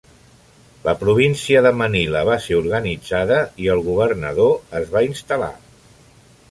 La província de Manila va ser organitzada i el governador es va instal·lar.